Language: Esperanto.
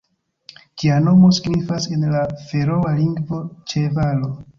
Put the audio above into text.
Ĝia nomo signifas en la feroa lingvo "ĉevalo".